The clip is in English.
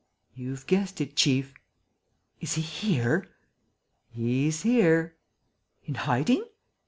"You've guessed it, chief!" "Is he here?" "He's here." "In hiding?"